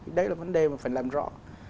thì đấy là vấn đề mà phải làm rõ